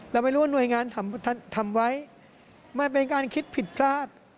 เราไม่รู้ว่าหน่วยงานทำไว้มันเป็นการคิดผิดพลาด